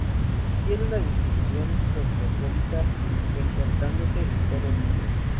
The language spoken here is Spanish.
Tienen una distribución cosmopolita, encontrándose en todo el mundo.